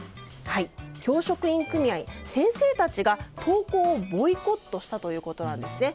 教職員組合、先生たちが登校をボイコットしたということです。